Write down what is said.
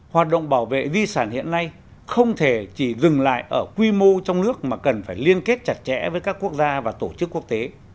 hoạt động bảo vệ di sản hiện nay không thể chỉ dừng lại ở quy mô trong nước mà cần phải liên kết chặt chẽ với các quốc gia và tổ chức quốc tế